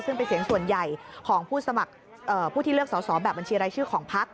ซึ่งเป็นเสียงส่วนใหญ่ของผู้ที่เลือกสอบแบบบัญชีรายชื่อของภักดิ์